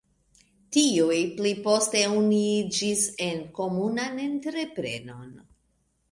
Tiuj pli poste unuiĝis en komunan entreprenon.